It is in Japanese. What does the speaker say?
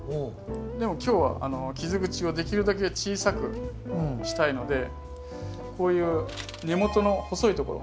でも今日は傷口をできるだけ小さくしたいのでこういう根元の細いところ。を切る？